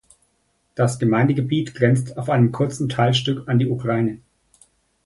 Das Gemeindegebiet grenzt auf einem kurzen Teilstück an die Ukraine.